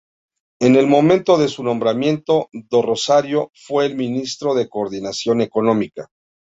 En el momento de su nombramiento, do Rosario fue el Ministro de Coordinación Económica.